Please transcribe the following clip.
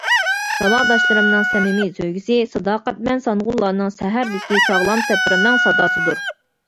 ساۋاقداشلىرىمنىڭ سەمىمىي سۆيگۈسى-ساداقەتمەن سانغۇنلارنىڭ سەھەردىكى ساغلام سەپىرىنىڭ ساداسىدۇر.